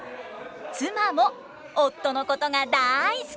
妻も夫のことがだい好き！